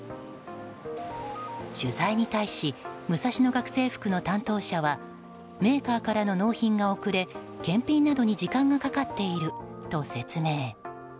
取材に対しムサシノ学生服の担当者はメーカーからの納品が遅れ検品などに時間がかかっていると説明。